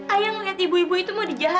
ayah melihat ibu ibu itu mau di jalan